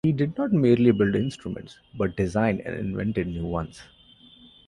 He did not merely build instruments, but designed and invented new ones.